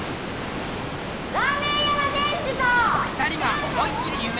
ラーメンやの店主と。